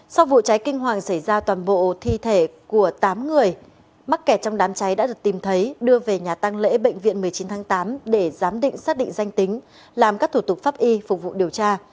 sau vụ cháy kinh hoàng xảy ra toàn bộ thi thể của tám người mắc kẹt trong đám cháy đã được tìm thấy đưa về nhà tăng lễ bệnh viện một mươi chín tháng tám để giám định xác định danh tính làm các thủ tục pháp y phục vụ điều tra